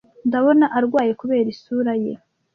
Ndabona arwaye kubera isura ye.